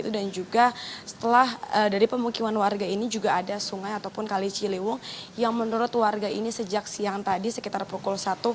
dan juga setelah dari pemukiman warga ini juga ada sungai ataupun kali ciliwung yang menurut warga ini sejak siang tadi sekitar pukul satu